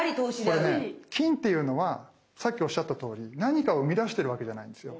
これね金っていうのはさっきおっしゃったとおり何かをうみだしてるわけじゃないんですよ。